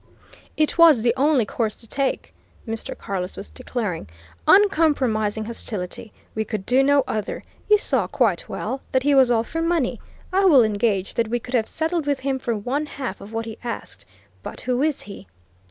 "It was the only course to take!" Mr. Carless was declaring. "Uncompromising hostility! We could do no other. You saw quite well that he was all for money. I will engage that we could have settled with him for one half of what he asked. But who is he?"